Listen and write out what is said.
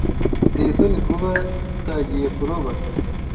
Biteye isoni kuba tutagiye kuroba.